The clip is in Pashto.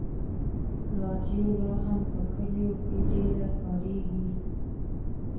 راډیو لا هم په کلیو کې ډېره کارېږي.